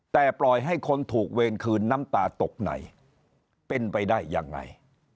แต่ปล่อยให้คนถูกเวรคืนน้ำตาตกไหนเป็นไปได้ยังไง